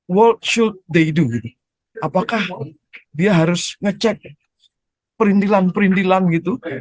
apa yang harus mereka lakukan apakah mereka harus mengecek perintilan perintilan gitu